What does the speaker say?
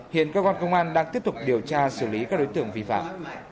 hiện cơ quan công an đang tiếp tục điều tra xử lý các đối tượng vi phạm